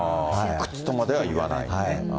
靴とまではいわない？